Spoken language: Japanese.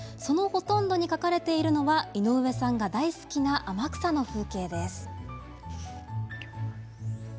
そのほとんどに描かれているのは井上さんが大好きな天草の風景です。